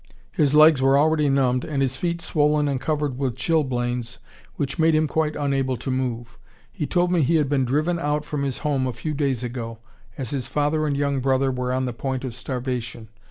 His legs were already numbed and his feet swollen and covered with chilblains which made him quite unable to move. He told me he had been driven out from his home a few days ago, as his father and younger brother were on the point of starvation.